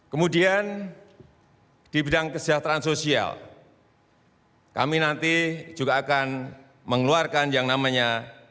kemudian di bidang kesejahteraan sosial kami nanti juga akan mengeluarkan yang namanya